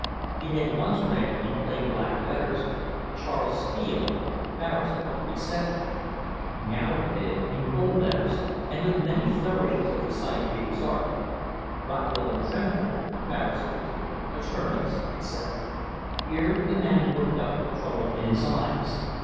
It had once read, in plain black letters, Charles Steele, Barrister, etc.; now it read, in gold letters and many flourishes of the sign painter's art, Rockwell and Tremblay, Barristers, Attorneys, etc. Here the man looked up with trouble in his eyes.